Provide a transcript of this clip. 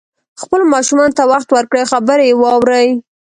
خپلو ماشومانو ته وخت ورکړئ او خبرې یې واورئ